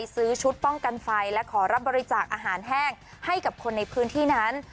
ซื้อชุดป้องกันไฟและขอรับบริจาคอาหารแห้งให้กับคนในพื้นที่นั้น